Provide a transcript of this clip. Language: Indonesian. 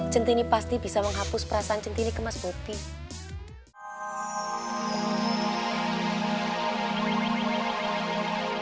centini pasti bisa menghapus perasaan centini ke mas bobi